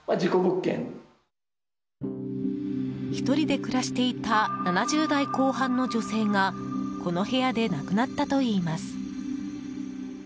１人で暮らしていた７０代後半の女性がこの部屋で亡くなったといいます。